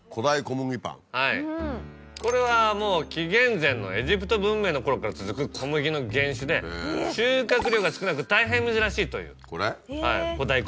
はいこれはもう紀元前のエジプト文明のころから続く小麦の原種で収穫量が少なく大変珍しいという古代小麦です。